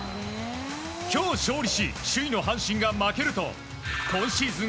今日勝利し首位の阪神が負けると今シーズン